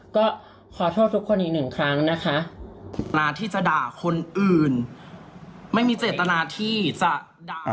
ก็ขอโทษทุกคนอีกหนึ่งครั้งนะคะเวลาที่จะด่าคนอื่นไม่มีเจตนาที่จะด่า